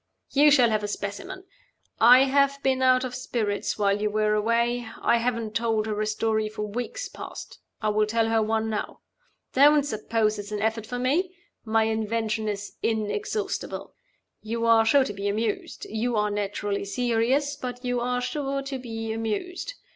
You shall have a specimen. I have been out of spirits while you were away I haven't told her a story for weeks past; I will tell her one now. Don't suppose it's any effort to me! My invention is inexhaustible. You are sure to be amused you are naturally serious but you are sure to be amused.